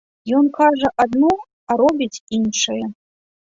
Ён кажа адно, а робіць іншае.